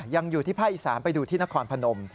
อยู่ที่ภาคอีสานไปดูที่นครพนม